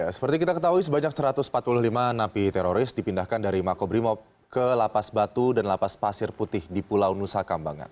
seperti kita ketahui sebanyak satu ratus empat puluh lima napi teroris dipindahkan dari makobrimob ke lapas batu dan lapas pasir putih di pulau nusa kambangan